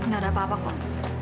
gak ada apa apa kok